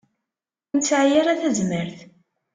Ur nesɛi ara tazmert.